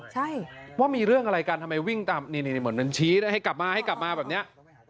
ใช่ว่ามีเรื่องอะไรกันทำไมวิ่งตามนี่เหมือนชี้ให้กลับมาให้กลับมาแบบเนี้ย